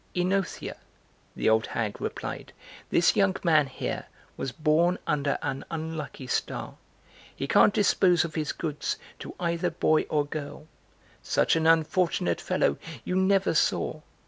"OEnothea," the old hag replied, "this young man here was born under an unlucky star: he can't dispose of his goods to either boy or girl. Such an unfortunate fellow you never saw.